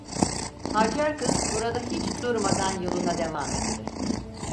Hacer kız burada hiç durmadan yoluna devam etti.